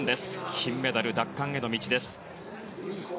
金メダル奪還への道です。